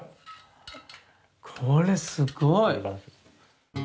これすごい。